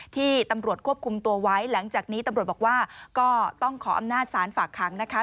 ที่ตำรวจควบคุมตัวไว้หลังจากนี้ตำรวจบอกว่าก็ต้องขออำนาจศาลฝากขังนะคะ